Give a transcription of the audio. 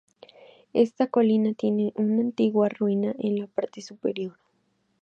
Esta colina tiene una antigua ruina en la parte superior.